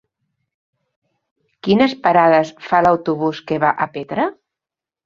Quines parades fa l'autobús que va a Petra?